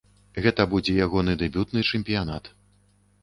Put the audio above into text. Гэта будзе ягоны дэбютны чэмпіянат.